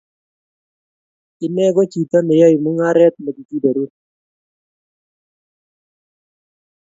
Ine ko chito ne yae mungaret nekikiberur